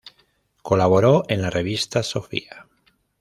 Colaboró en la revista "Sophia".